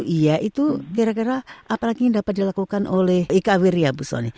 iya itu kira kira apalagi yang dapat dilakukan oleh eka wirya bu soni